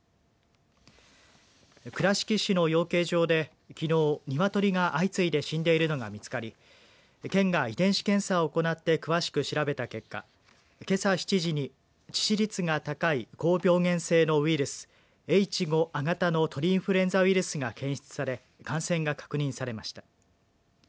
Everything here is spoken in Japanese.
倉敷市の養鶏場できのう、鶏が相次いで死んでいるのが見つかり県が遺伝子検査を行って詳しく調べた結果けさ７時に致死率が高い高病原性のウイルスＨ５亜型の鳥インフルエンザウイルスが検出され感染が確認されました。